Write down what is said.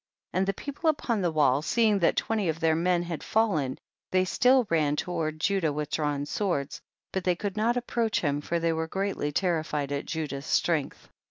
37. And the people upon the wall seeing that twenty of their men had fallen, they still ran toward Judah with drawn swords, but they could not approach him for they were great ly terrified at Judah's strength.